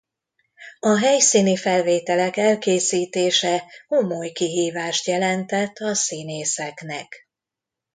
A helyszíni felvételek elkészítése komoly kihívást jelentett a színészeknek.